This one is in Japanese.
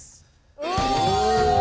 お。